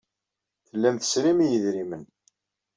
Tellam tesrim i yedrimen.